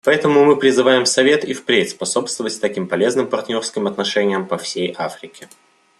Поэтому мы призываем Совет и впредь способствовать таким полезным партнерским отношениям по всей Африке.